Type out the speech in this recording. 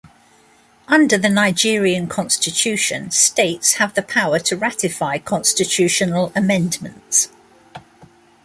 Under the Nigerian Constitution, states have the power to ratify constitutional amendments.